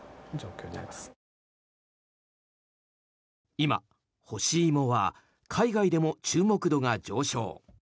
今、干し芋は海外でも注目度が上昇。